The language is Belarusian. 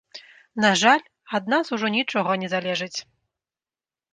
На жаль, ад нас ужо нічога не залежыць.